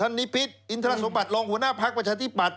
นิพิษอินทรสมบัติรองหัวหน้าภักดิ์ประชาธิปัตย